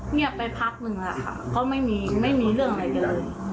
เงียบไปพักนึงก็ไม่มีมีเรื่องอะไรเลย